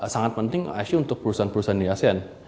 sangat penting icu untuk perusahaan perusahaan di asean